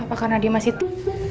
apa karena dia masih tuh